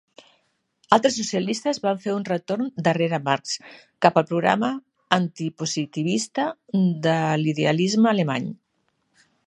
Altres socialistes van fer un reton "darrere Marx" cap al programa antipositivista de l'idealisme alemany.